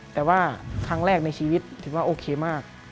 แต่ว่าครั้งแรกในชีวิตถือว่าโอเคมาก